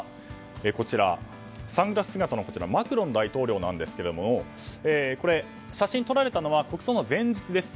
こちら、サングラス姿のマクロン大統領ですが写真を撮られたのは国葬前日です。